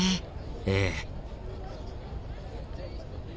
ええ。